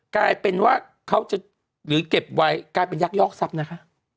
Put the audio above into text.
กลายเป็นว่าเขาจะหรือเก็บไว้กลายเป็นยักยอกทรัพย์นะคะ